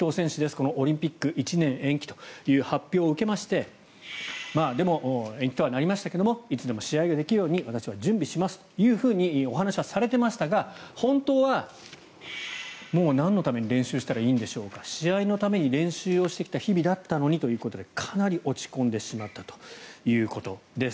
このオリンピック１年延期という発表を受けましてでも、延期とはなりましたけどいつでも試合ができるように私は準備しますとお話はされていましたが本当はもうなんのために練習したらいいんでしょうか試合のために練習をしてきた日々だったのにということでかなり落ち込んでしまったということです。